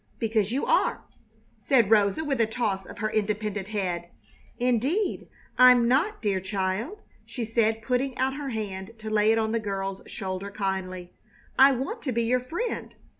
"Because you are!" said Rosa, with a toss of her independent head. "Indeed I'm not, dear child," she said, putting out her hand to lay it on the girl's shoulder kindly. "I want to be your friend."